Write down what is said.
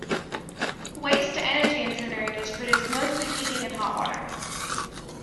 Waste-to-energy incinerators produce mostly heating and hot water.